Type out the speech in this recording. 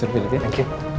terima kasih mister philip ya